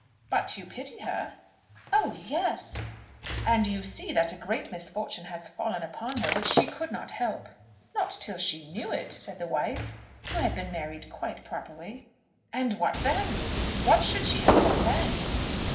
"But you pity her?" "Oh yes." "And you see that a great misfortune has fallen upon her, which she could not help?" "Not till she knew it," said the wife who had been married quite properly. "And what then? What should she have done then?"